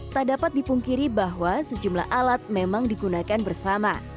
tak dapat dipungkiri bahwa sejumlah alat memang digunakan bersama